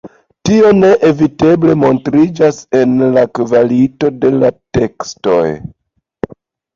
Tio neeviteble montriĝas en la kvalito de la tekstoj.